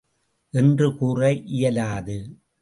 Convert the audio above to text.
என்று கூற இயலாது.